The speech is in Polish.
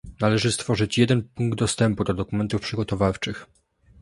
należy stworzyć jeden punkt dostępu do dokumentów przygotowawczych